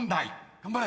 頑張れ！